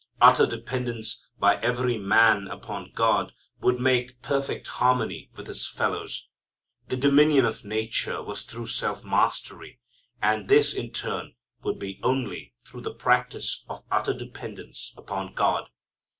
Utter dependence by every man upon God would make perfect harmony with his fellows. The dominion of nature was through self mastery, and this in turn would be only through the practice of utter dependence upon God.